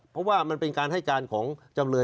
เพราะว่ามันเป็นการให้การของจำเลย